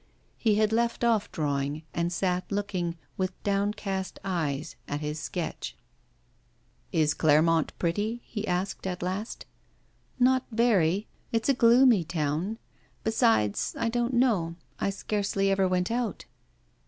He had left off drawing, and sat looking, with downcast eyes, at his sketch. 'Is Clermont pretty?' he asked, at last. 'Not very; it's a gloomy town. Besides, I don't know; I scarcely ever went out.